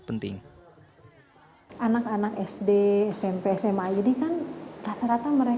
berdaya membutuhkan ada teman online